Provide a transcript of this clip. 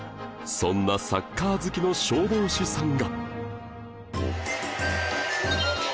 そんなサッカー好きの消防士さんが